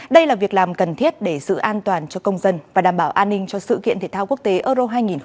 đây là việc làm cần thiết để sự an toàn cho công dân và đảm bảo an ninh cho sự kiện thể thao quốc tế euro hai nghìn hai mươi bốn